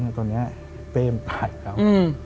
เนี่ยตอนนี้เป้มตายแล้ว